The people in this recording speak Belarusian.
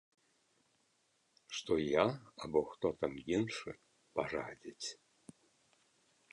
Што я або хто там іншы парадзіць!